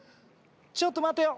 ちょっと待てよ。